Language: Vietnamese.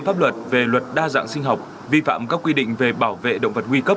pháp luật về luật đa dạng sinh học vi phạm các quy định về bảo vệ động vật nguy cấp